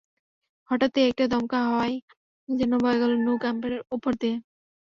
হঠাৎই একটা দমকা হাওয়াই যেন বয়ে গেল ন্যু ক্যাম্পের ওপর দিয়ে।